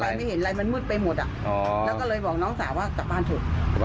แล้วก็เลยบอกน้องสาวว่ากลับบ้านเถอะ